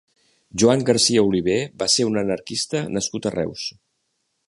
Joan Garcia Oliver va ser un anarquista nascut a Reus.